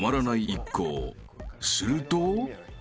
［すると］